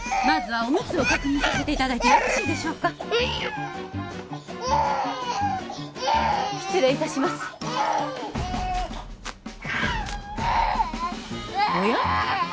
まずはおむつを確認させていただいてよろしいでしょうか失礼いたしますおや？